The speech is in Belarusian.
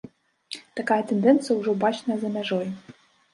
Такая тэндэнцыя ўжо бачная за мяжой.